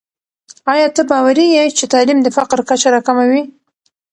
آیا ته باوري یې چې تعلیم د فقر کچه راکموي؟